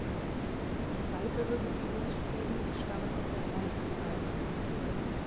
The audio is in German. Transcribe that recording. Weitere Besiedlungsspuren stammen aus der Bronzezeit.